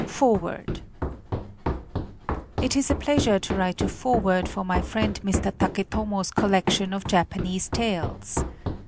135 FOREWORD It is a pleasure to write a foreword for my friend Mr. Taketomo's collec tion of Japanese tales.